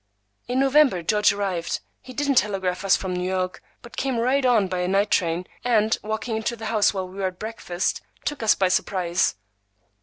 In November George arrived. He didn't telegraph from New York, but came right on by a night train, and, walking into the house while we were at breakfast, took us by surprise.